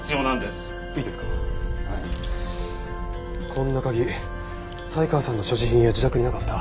こんな鍵才川さんの所持品や自宅になかった。